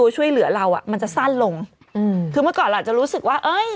ช่วยเหลือเราอ่ะมันจะสั้นลงอืมคือเมื่อก่อนเราอาจจะรู้สึกว่าเอ้ย